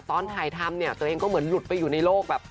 ตอนถ่ายทำเนี่ยตัวเองก็เหมือนหลุดไปอยู่ในโลกแบบ